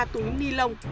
ba túi ni lông